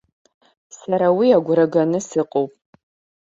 Сара уи агәра ганы сыҟоуп.